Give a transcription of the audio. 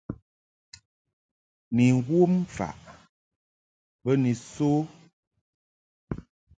Ni wom faʼ be ni so.